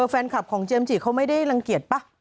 แฟนคลับของเจมส์จิเขาไม่ได้รังเกียจป่ะ